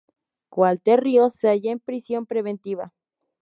Walter Ríos se haya en prisión preventiva.